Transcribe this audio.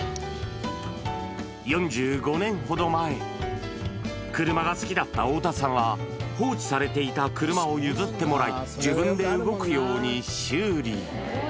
４５年ほど前、車が好きだった太田さんは、放置されていた車を譲ってもらい、自分で動くように修理。